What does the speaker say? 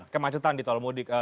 kemacetan di tol mudik